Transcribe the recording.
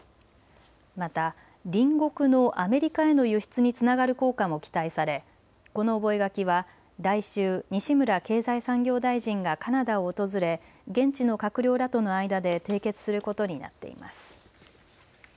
また隣国のアメリカへの輸出につながる効果も期待されこの覚書は来週、西村経済産業大臣がカナダを訪れ現地の閣僚らとの間で締結することになっています。